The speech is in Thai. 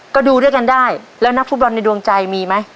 ก็ดูด้วยกันได้แล้วนักฟูเพลินในดวงใจมีมั้ย